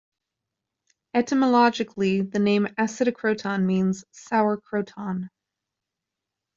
Etymologically, the name "Acidocroton" means "sour croton".